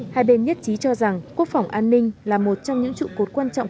hai bên nhất trí cho rằng quốc phòng an ninh là một trong những trụ cột quan trọng